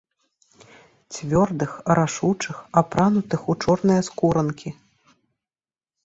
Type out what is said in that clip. Цвёрдых, рашучых, апранутых у чорныя скуранкі.